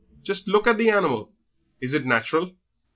Just look at the hanimal! Is it natural?